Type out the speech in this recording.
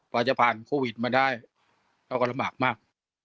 จะผ่านโควิดมาได้เราก็ลำบากมาก